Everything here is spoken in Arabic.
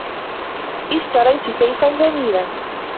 إشتريت سيفا جميلا.